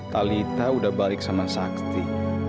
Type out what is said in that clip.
tak lupa kau udah balik sama sakti